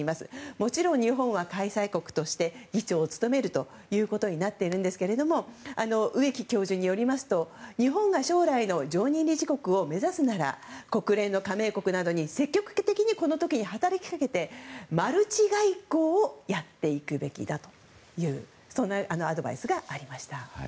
もちろん、日本は開催国として議長を務めることになっていますが植木教授によりますと、日本が将来の常任理事国を目指すなら国連の加盟国などに積極的にこの時に働きかけて、マルチ外交をやっていくべきだというアドバイスがありました。